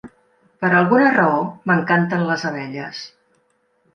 Per alguna raó m'encanten les abelles.